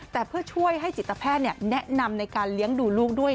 แต่เพื่อช่วยให้จิตแพทย์แนะนำในการเลี้ยงดูลูกด้วย